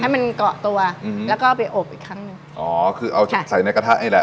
ให้มันเกาะตัวอืมแล้วก็ไปอบอีกครั้งหนึ่งอ๋อคือเอาใส่ในกระทะนี่แหละ